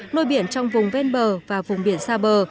nuôi biển trong vùng ven bờ và vùng biển xa bờ